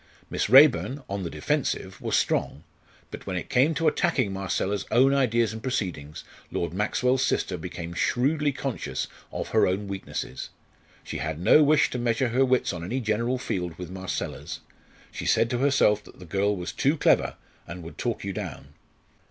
Miss Raeburn, on the defensive, was strong; but when it came to attacking Marcella's own ideas and proceedings, Lord Maxwell's sister became shrewdly conscious of her own weaknesses. She had no wish to measure her wits on any general field with Marcella's. She said to herself that the girl was too clever and would talk you down.